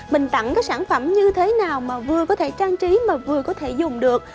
mình tặng các sản phẩm như thế nào mà vừa có thể trang trí mà vừa có thể dùng được